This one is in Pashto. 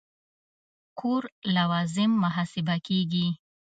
کور لوازم محاسبه کېږي.